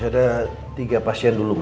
iya ma sampai ketemu di rumah